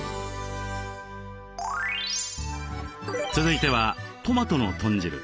続いてはトマトの豚汁。